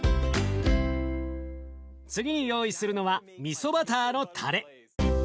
次に用意するのはみそバターのタレ。